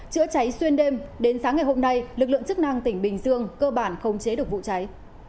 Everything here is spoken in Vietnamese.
chữa cháy xuyên đêm đến sáng ngày hôm nay lực lượng chức năng tỉnh bình dương cơ bản không chế được vụ cháy